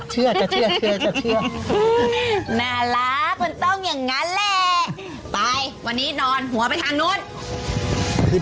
เชื่อจัดเชื่อเชื่อจัดเชื่อ